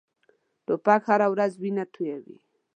توپک هره ورځ وینه تویوي.